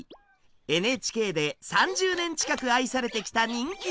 ＮＨＫで３０年近く愛されてきた人気者です。